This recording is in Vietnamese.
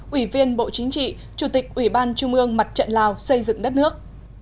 ủy viên bộ chính trị chủ tịch ủy ban trung ương mặt trận lào xây dựng đất nước